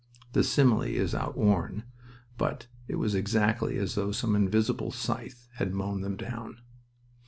The simile is outworn, but it was exactly as though some invisible scythe had mown them down.